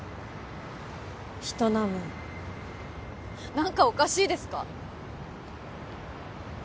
人並み何かおかしいですか？